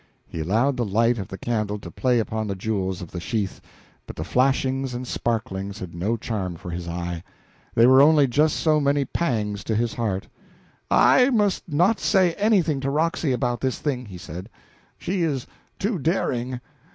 He allowed the light of the candle to play upon the jewels of the sheath, but the flashings and sparklings had no charm for his eye; they were only just so many pangs to his heart. "I must not say anything to Roxy about this thing," he said, "she is too daring.